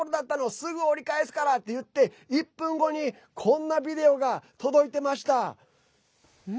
すぐ折り返すから！って言って１分後にこんなビデオが届いてました。